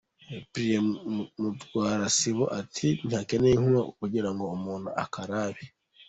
Cyprien Mutwarasibo ati ntihakenewe inkunga kugira ngo umuntu akarabe.